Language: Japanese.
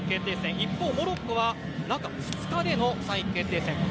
一方、モロッコは中２日での３位決定戦。